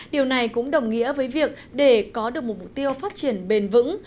điều này cũng đồng nghĩa với việc để có được một mục tiêu phát triển bền vững